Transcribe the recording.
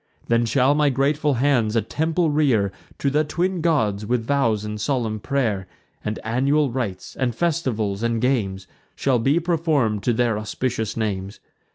Then shall my grateful hands a temple rear To the twin gods, with vows and solemn pray'r; And annual rites, and festivals, and games, Shall be perform'd to their auspicious names.